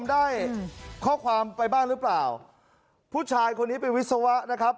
ได้ข้อความไปบ้างหรือเปล่าผู้ชายคนนี้เป็นวิศวะนะครับ